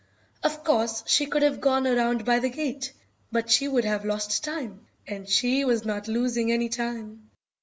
Of course, she could have gone around by the gate, but she would have lost time, and she was not losing any time.